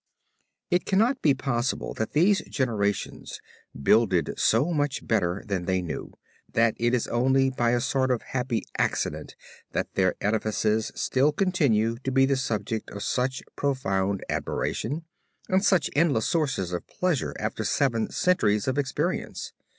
It cannot be possible that these generations builded so much better than they knew, that it is only by a sort of happy accident that their edifices still continue to be the subject of such profound admiration, and such endless sources of pleasure after seven centuries of experience.